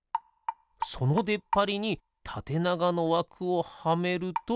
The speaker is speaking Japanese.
そのでっぱりにたてながのわくをはめると。